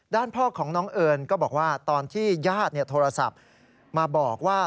ด้านพ่อของน้องเอิญก็บอกว่าตอนที่ญาติโทรศัพท์มาบอกว่า